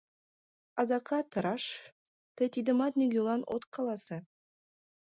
Адакат раш: тый тидымат нигӧлан от каласе.